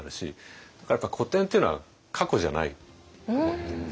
だから古典っていうのは過去じゃないと思ってて。